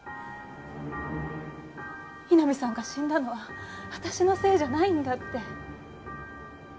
井波さんが死んだのは私のせいじゃないんだって。